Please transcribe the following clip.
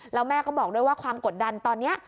แล้วแม่ก็บอกด้วยว่าความกดดันตอนนี้